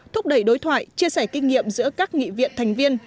thúc đẩy đối thoại chia sẻ kinh nghiệm giữa các nghị viện thành viên